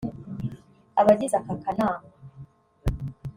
Abagize aka kanama